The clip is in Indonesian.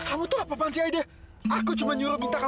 apa yang aparece diitorang noir sekarang